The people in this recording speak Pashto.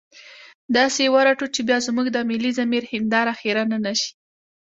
داسې يې ورټو چې بيا زموږ د ملي ضمير هنداره خيرنه نه شي.